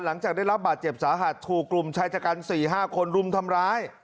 หลังจากได้รับบาดเจ็บสาหัสถูกกลุ่มชายชะกัน๔๕คนรุมทำร้าย